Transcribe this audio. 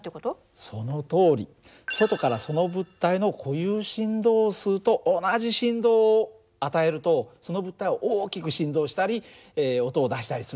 外からその物体の固有振動数と同じ振動を与えるとその物体は大きく振動したり音を出したりするんだよ。